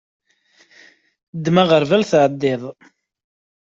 Ddem aɣerbal tɛeddiḍ.